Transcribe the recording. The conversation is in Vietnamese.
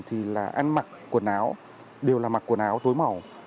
thì là ăn mặc quần áo đều là mặc quần áo tối màu